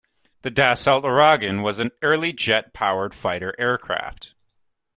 The Dassault Ouragan was an early jet-powered fighter aircraft.